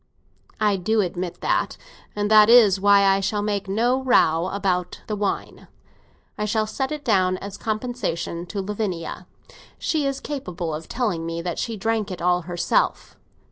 "I do admit that, and that is why I shall make no row about the wine; I shall set it down as compensation to Lavinia. She is capable of telling me that she drank it all herself.